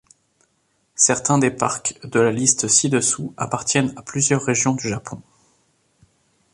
Certains des parcs de la liste ci-dessous appartiennent à plusieurs régions du Japon.